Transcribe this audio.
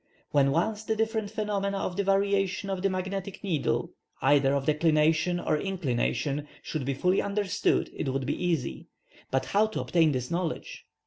When once the different phenomena of the variations of the magnetic needle, either of declination or inclination, should be fully understood, it would be easy; but how to obtain this knowledge?